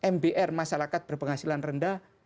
mbr masyarakat berpenghasilan rendah